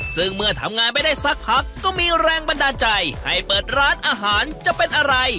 ซึ่งเมื่อทำงานไม่ได้สักพักก็มีแรงบันดาลใจให้เปิดร้านอาหารจะเป็นอะไร